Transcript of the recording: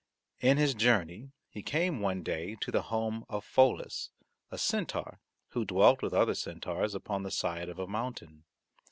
In his journey he came one day to the home of Pholus, a centaur, who dwelt with other centaurs upon the side of a mountain.